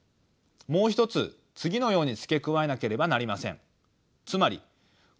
もう一つ次のように付け加えなければなりません。